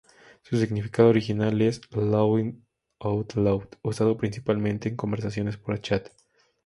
Su significado original es "Laughing Out Loud", usado principalmente en conversaciones por chat.